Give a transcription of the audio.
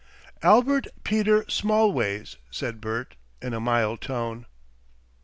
"Albert Peter Smallways," said Bert, in a mild tone.